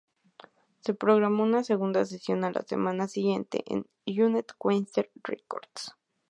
Se programó una segunda sesión a la semana siguiente en el United Western Recorders.